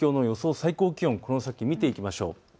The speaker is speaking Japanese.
最高気温この先見ていきましょう。